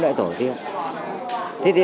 thế thì đâu có tổ tiên phụ hộ